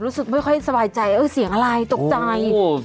รู้สึกไม่ค่อยสบายใจเออเสียงอะไรตกใจ